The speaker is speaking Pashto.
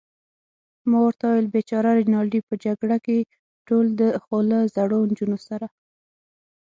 ما ورته وویل: بېچاره رینالډي، په جګړه کې ټول، خو له زړو نجونو سره.